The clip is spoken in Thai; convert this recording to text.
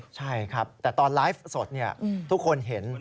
ใช่ครับแต่ตอนไลฟ์สดทุกคนเห็น